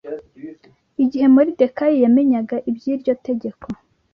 Igihe Moridekayi yamenyaga iby’iryo tegeko